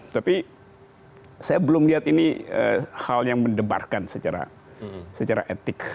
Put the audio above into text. tapi saya belum lihat ini hal yang mendebarkan secara etik